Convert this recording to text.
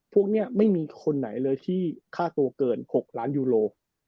พวกนี้ไม่มีคนไหนเลยที่ค่าตัวเกิน๖ล้านยูโร